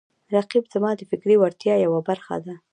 رقیب زما د فکري وړتیاو یوه برخه ده